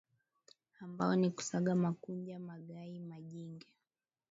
ambao ni Kusaga Makunja Magai Majinge